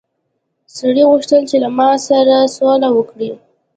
سړي غوښتل چې له مار سره سوله وکړي.